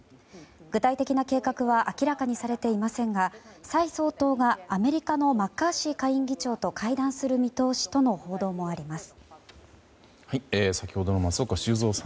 具体的な計画は明らかにされていませんが蔡総統がアメリカのマッカーシー下院議長と会談する見通しとの報道もあります。